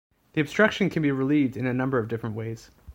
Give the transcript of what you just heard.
The obstruction can be relieved in a number of different ways.